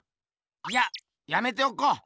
いややめておこう。